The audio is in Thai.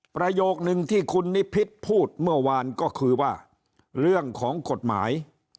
ประโยคนึงที่คุณนิพิษพูดเมื่อวานก็คือว่าเรื่องของกฎหมาย